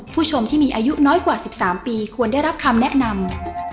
ผู้ชมที่มีอายุน้อยกว่า๑๓ปีควรได้รับคำแนะนำ